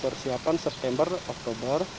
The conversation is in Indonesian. lokasi yang pada saat ini kami miliki